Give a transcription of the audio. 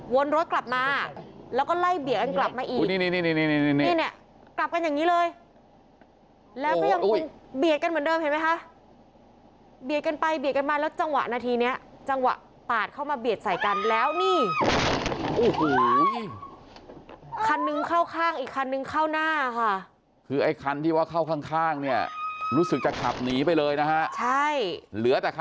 วนรถกลับมาแล้วก็ไล่เบียดกันกลับมาอีก